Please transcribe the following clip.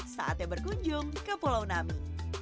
saatnya berkunjung ke pulau nami